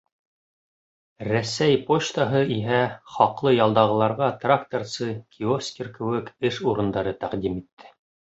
Рәсәй Почтаһы иһә хаҡлы ялдағыларға тракторсы, киоскер кеүек эш урындары тәҡдим итте.